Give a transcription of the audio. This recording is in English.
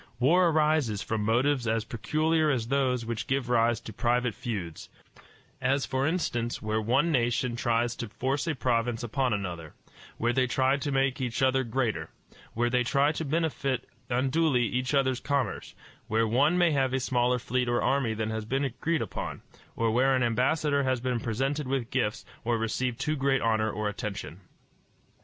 War arises from motives as peculiar as those which give rise to private feuds; as, for instance, where one nation tries to force a province upon another; where they try to make each other greater; where they try to benefit unduly each other's commerce; where one may have a smaller fleet or army than has been agreed on, or where an ambassador has been presented with gifts, or received too great honor or attention.